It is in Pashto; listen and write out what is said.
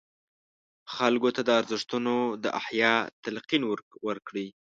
خلکو ته د ارزښتونو د احیا تلقین ورکړي.